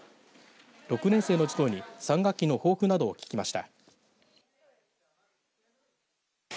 ６年生の児童に３学期の抱負などを聞きました。